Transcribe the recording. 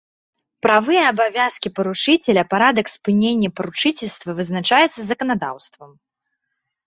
Правы і абавязкі паручыцеля, парадак спынення паручыцельства вызначаецца заканадаўствам.